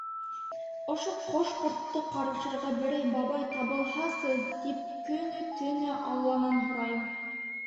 Ошо ҡош-ҡортто ҡарашырға берәй бабай табылһасы, тип көнө-төнө Алланан һорайым...